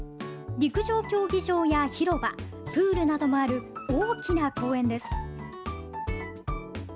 陸上競技場や広場プールなどもある大きな公園です。